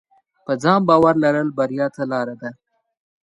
په ځان باور لرل بریا ته لار ده.